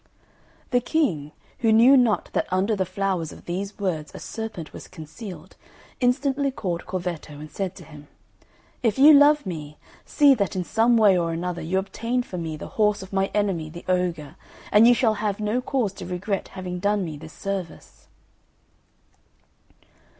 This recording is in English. The King, who knew not that under the flowers of these words a serpent was concealed, instantly called Corvetto, and said to him, "If you love me, see that in some way or another you obtain for me the horse of my enemy the ogre, and you shall have no cause to regret having done me this service."